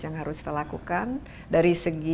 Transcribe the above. yang harus dilakukan dari segi